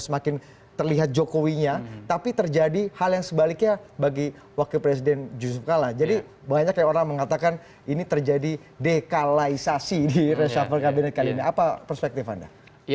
sekarang satu majikan gitu loh